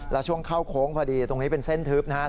แล้วช่วงเข้าโค้งพอดีตรงนี้เป็นเส้นทึบนะครับ